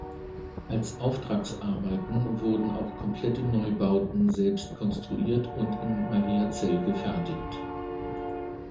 Als Auftragsarbeiten wurden auch komplette Neubauten selbst konstruiert und in Mariazell gefertigt.